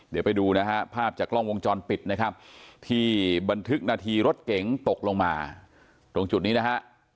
เดี๋ยวไปดูนะฮะภาพจากกล้องวงจรปิดนะครับที่บันทึกนาทีรถเก๋งตกลงมาตรงจุดนี้นะฮะ